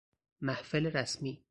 محفل رسمی